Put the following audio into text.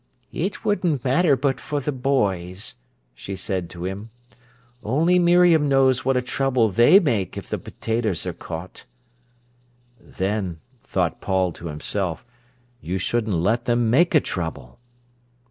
"It wouldn't matter but for the boys," she said to him. "Only Miriam knows what a trouble they make if the potatoes are 'caught'." "Then," thought Paul to himself, "you shouldn't let them make a trouble."